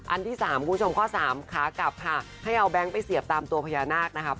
ที่สามคุณผู้ชมข้อสามขากลับค่ะให้เอาแก๊งไปเสียบตามตัวพญานาคนะครับ